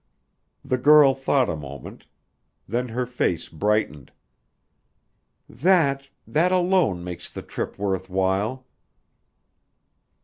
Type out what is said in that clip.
The girl thought a moment. Then her face brightened. "That that alone makes the trip worth while."